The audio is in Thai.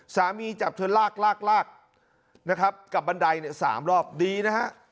จับเธอลากลากนะครับกับบันไดเนี่ย๓รอบดีนะฮะ